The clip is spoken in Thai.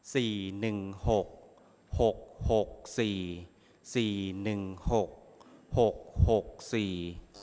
หนึ่งหกหกหกสี่สี่หนึ่งหกหกหกสี่